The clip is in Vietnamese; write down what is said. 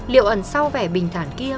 liệu ẩn sau vẻ bình thản kia